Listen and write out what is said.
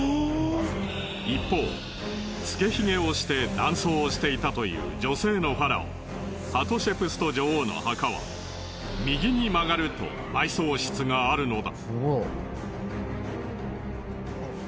一方つけヒゲをして男装をしていたという女性のファラオハトシェプスト女王の墓は右に曲がると埋葬室があるのだ。